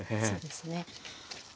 そうですね。